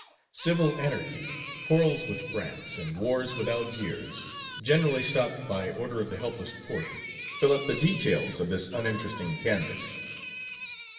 Civil anarchy, quarrels with France, and wars with Algiers, generally stopped "by order" of the helpless Porte, fill up the details of this uninteresting canvas.